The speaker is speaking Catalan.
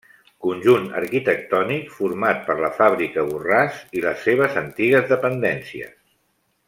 Conjunt arquitectònic format per la fàbrica Borràs i les seves antigues dependències.